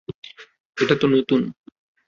এটা তো নতুন।